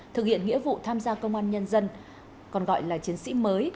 thực hiện nghĩa vụ tham gia công an nhân dân còn gọi là chiến sĩ mới